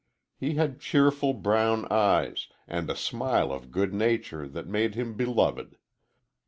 He had cheerful brown eyes and a smile of good nature that made him beloved.